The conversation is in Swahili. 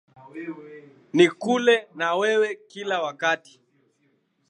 Nikule na wewe kila wakati